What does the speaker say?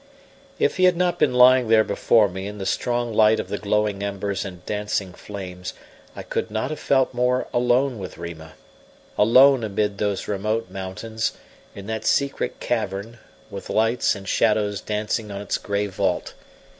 If he had not been lying there before me in the strong light of the glowing embers and dancing flames, I could not have felt more alone with Rima alone amid those remote mountains, in that secret cavern, with lights and shadows dancing on its grey vault.